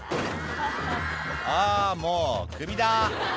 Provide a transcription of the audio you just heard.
「あぁもうクビだ」